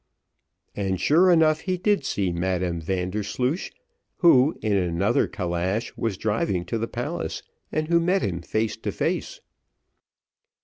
And sure enough he did see Madam Vandersloosh, who in another calash was driving to the palace, and who met him face to face.